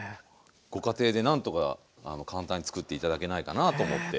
ご家庭でなんとか簡単に作って頂けないかなと思って。